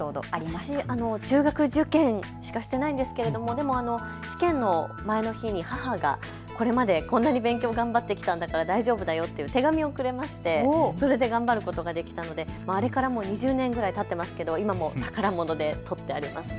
私は中学受験しかしていないんですが試験の前の日に母がこれまでこんなに勉強頑張ってきたから大丈夫だよという手紙をくれましてそれで頑張ることができたので受験から２０年たっていますが今でも取ってあります。